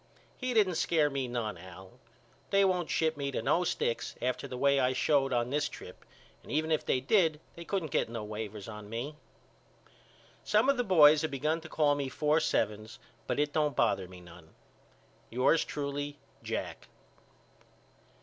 He didn't scare me none Al. They won't ship me to no sticks after the way I showed on this trip and even if they did they couldn't get no waivers on me. Some of the boys have begun to call me Four Sevens but it don't bother me none. Yours truly, JACK.